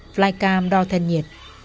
flycam đo thân nhiệt